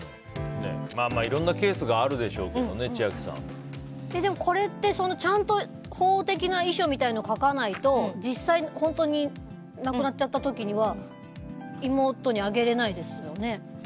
まあ、いろんなケースがあるでしょうけどね、千秋さん。これってちゃんと法的な遺書みたいなのを書かないと実際、本当になくなっちゃった時には妹にあげられないですよね。